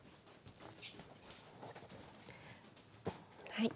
はい。